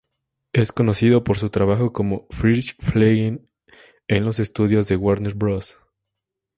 Es conocido por su trabajo con Friz Freleng, en los estudios de Warner Bros.